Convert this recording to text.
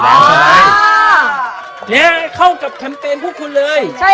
นี่ให้เข้ากับแคมเปญพวกคุณเลย